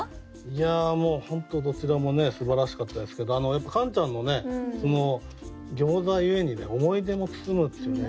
いやもう本当どちらもすばらしかったですけどカンちゃんのね餃子ゆえに思い出も包むっていうね